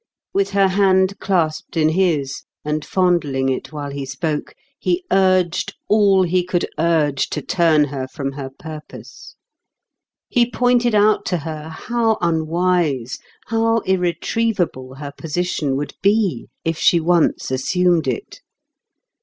With her hand clasped in his, and fondling it while he spoke, he urged all he could urge to turn her from her purpose. He pointed out to her how unwise, how irretrievable her position would be, if she once assumed it.